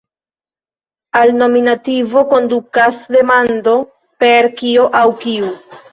Al nominativo kondukas demando per "kio" aŭ "kiu".